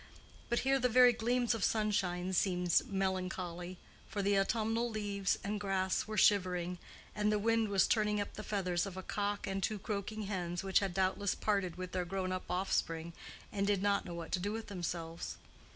But here the very gleams of sunshine seemed melancholy, for the autumnal leaves and grass were shivering, and the wind was turning up the feathers of a cock and two croaking hens which had doubtless parted with their grown up offspring and did not know what to do with themselves.